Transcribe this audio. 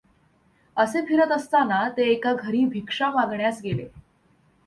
असे फिरत असतांना ते एका घरी भिक्षा मागण्यास गेले.